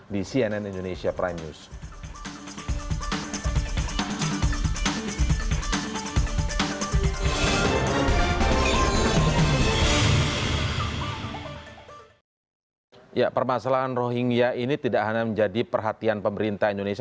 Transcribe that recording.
di cnn indonesia prime news